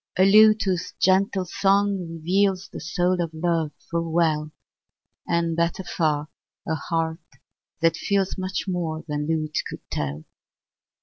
A lute whose gentle song reveals The soul of love full well; And, better far, a heart that feels Much more than lute could tell.